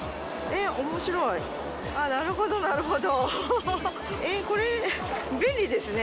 なるほどなるほど！